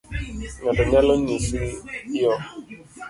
Ng'ato nyalo ng'isi yoo.